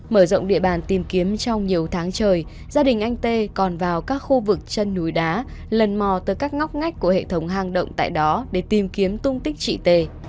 mở rộng địa bàn tìm kiếm trong nhiều tháng trời gia đình anh tê còn vào các khu vực chân núi đá lần mò tới các ngóc ngách của hệ thống hang động tại đó để tìm kiếm tung tích chị tề